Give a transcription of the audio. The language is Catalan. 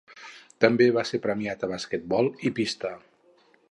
També va ser premiat a basquetbol i pista.